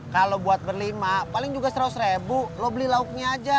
kalau buat berlima paling juga seratus ribu lo beli lauknya aja